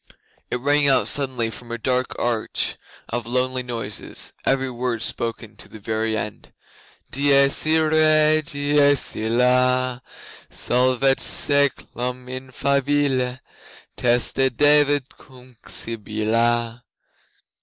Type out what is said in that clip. It rang out suddenly from a dark arch of lonely noises every word spoken to the very end: 'Dies Irae, dies illa, Solvet saeclum in favilla, Teste David cum Sibylla.